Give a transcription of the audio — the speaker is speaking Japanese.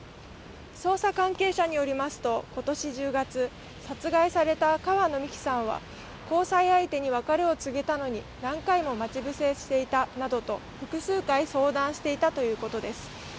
捜査関係者によりますと今年１０月、殺害された川野美樹さんは交際相手に別れを告げたのに何回も待ち伏せしていたなどと複数回相談していたということです。